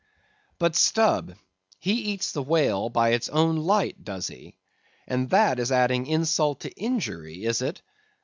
But Stubb, he eats the whale by its own light, does he? and that is adding insult to injury, is it?